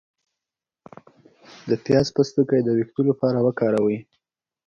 د پیاز پوستکی د ویښتو لپاره وکاروئ